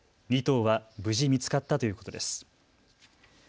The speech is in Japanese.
２頭は無事、見つかったということです。